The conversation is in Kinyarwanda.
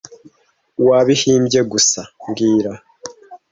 Wabihimbye gusa mbwira